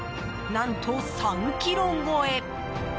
何と３ｋｇ超え！